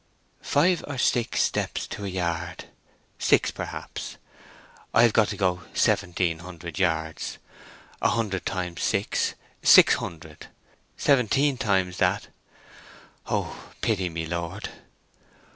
"Five or six steps to a yard—six perhaps. I have to go seventeen hundred yards. A hundred times six, six hundred. Seventeen times that. O pity me, Lord!"